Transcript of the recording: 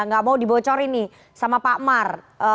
nggak mau dibocorin nih sama pak mar